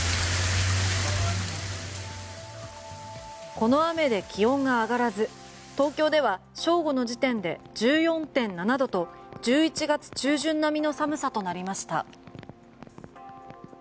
この雨で気温が上がらず東京では正午の時点で１４．７度と１１月中旬並みの寒さとなりました。